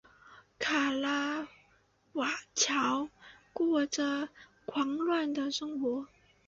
卡拉瓦乔过着狂乱的生活。